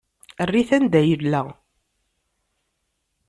Err-it anda yella.